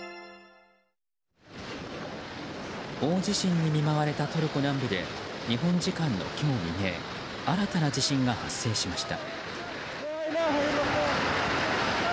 大地震に見舞われたトルコ南部で日本時間の今日未明新たな地震が発生しました。